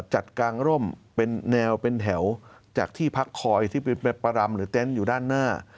กลางร่มเป็นแนวเป็นแถวจากที่พักคอยที่ไปประรำหรือเต็นต์อยู่ด้านหน้า